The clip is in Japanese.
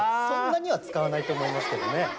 そんなには使わないと思いますけどね。